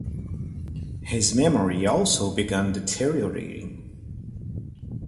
His memory also began deteriorating.